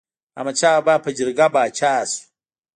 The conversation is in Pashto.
احمد شاه بابا په جرګه پاچا شو.